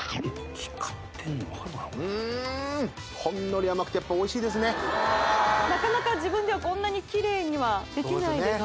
光ってんのうんほんのり甘くてやっぱおいしいですねなかなか自分ではこんなにキレイにはできないです